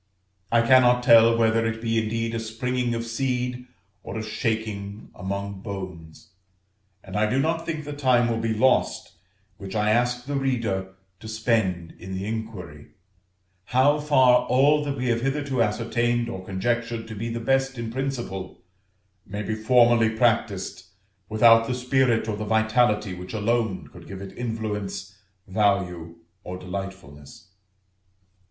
I cannot tell whether it be indeed a springing of seed or a shaking among bones; and I do not think the time will be lost which I ask the reader to spend in the inquiry, how far all that we have hitherto ascertained or conjectured to be the best in principle, may be formally practised without the spirit or the vitality which alone could give it influence, value, or delightfulness.